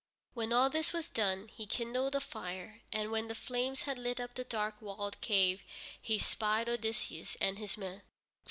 When all this was done, he kindled a fire, and when the flames had lit up the dark walled cave he spied Odysseus and his men.